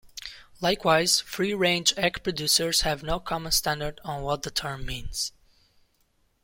Likewise, free-range egg producers have no common standard on what the term means.